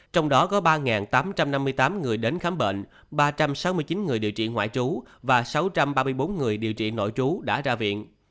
trong đó có ba tám trăm năm mươi tám người đến khám bệnh ba trăm sáu mươi chín người điều trị ngoại trú và sáu trăm ba mươi bốn người điều trị nội trú đã ra viện